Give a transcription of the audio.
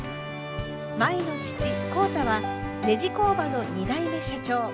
舞の父浩太はネジ工場の２代目社長。